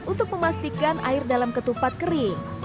untuk memastikan air dalam ketupat kering